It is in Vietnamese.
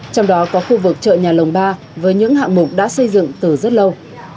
trong đó có khu vực chợ nhà lồng ba với những hạng mục đã xây dựng từ rất lâu